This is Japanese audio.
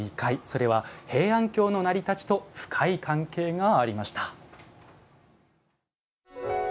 それは、平安京の成り立ちと深い関係がありました。